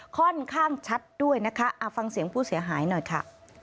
ค่อนข้างชัดด้วยนะคะฟังเสียงผู้เสียหายหน่อยค่ะ